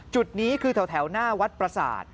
จุดนี้คือแถวหน้าวัดประสาท